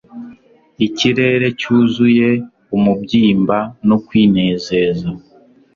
Ikirere cyuzuye umubyimba no kwinezeza